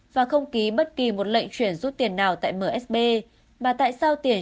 và không ký bất kỳ một lệnh chuyển rút tiền nào tại msb và tại sao tiền